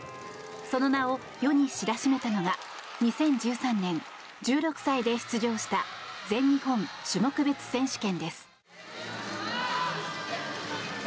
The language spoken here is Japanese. その名を世に知らしめたのが２０１３年、１６歳で出場した全日本種目別選手権です。